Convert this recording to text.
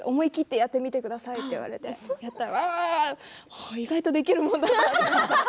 思い切ってやってみてくださいって言われてやったら、わわわわって意外とできるものだなって。